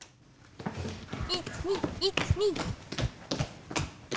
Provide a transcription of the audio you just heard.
１２１２。